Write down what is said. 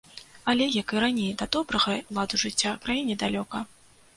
Але, як і раней, да добрага ладу жыцця краіне далёка.